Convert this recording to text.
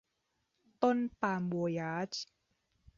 ต้นปาล์มโวยาจ